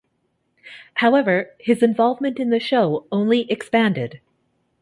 However, his involvement in the show only expanded.